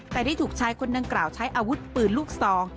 แต่ได้ถูกชายคนดังกล่าวใช้อาวุธปืนลูกซอง